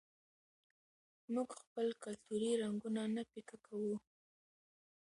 موږ خپل کلتوري رنګونه نه پیکه کوو.